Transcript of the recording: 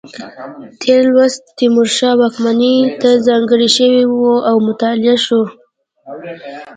تېر لوست تیمورشاه واکمنۍ ته ځانګړی شوی و او مطالعه شو.